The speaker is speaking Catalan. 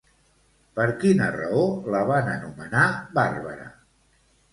Per quina raó la van anomenar Bàrbara?